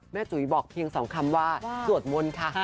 แม่จุยบอกเพียงสองคำว่าสวดมนต์ค่ะ